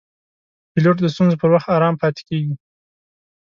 پیلوټ د ستونزو پر وخت آرام پاتې کېږي.